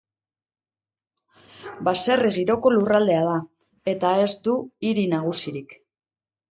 Baserri-giroko lurraldea da, eta ez du hiri nagusirik.